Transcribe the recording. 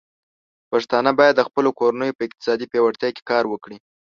پښتانه بايد د خپلو کورنيو په اقتصادي پياوړتيا کې کار وکړي.